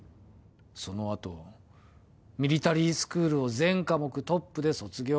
そのあとミリタリースクールを全科目トップで卒業。